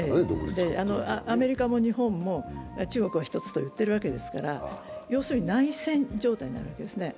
アメリカも日本も、中国は一つと言っているわけですから、要するに内戦状態になるわけですね。